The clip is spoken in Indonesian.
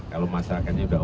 kalau masyarakatnya sudah